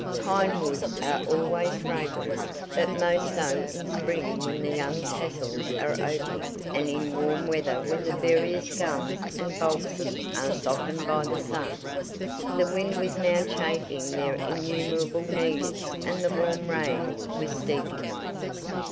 Pine woods are always fragrant, but most so in spring when the young tassels are opening and in warm weather when the various gums and balsams are softened by the sun. The wind was now chafing their innumerable needles and the warm rain was steeping them.